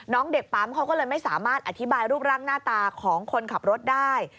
เด็กปั๊มเขาก็เลยไม่สามารถอธิบายรูปร่างหน้าตาของคนขับรถได้